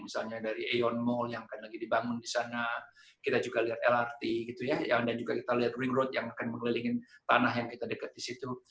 misalnya dari ayoon mall yang akan lagi dibangun di sana kita juga lihat lrt gitu ya dan juga kita lihat ring road yang akan mengelilingin tanah yang kita dekat di situ